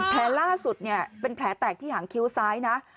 แผลล่าสุดเป็นแผลแตกที่หางคิ้วซ้ายนะ